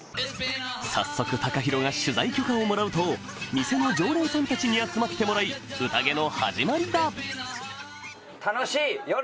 早速ＴＡＫＡＨＩＲＯが取材許可をもらうと店の常連さんたちに集まってもらいうたげの始まりだ